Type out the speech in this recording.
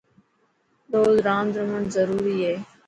روز راند رهڻ ضروري هي.